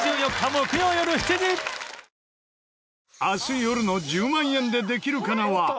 明日よるの『１０万円でできるかな』は。